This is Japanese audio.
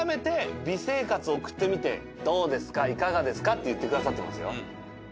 こう言ってくださってますよ。